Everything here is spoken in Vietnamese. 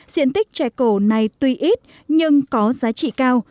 diện tích chè cổ này tuy ít nhưng có giá trị cao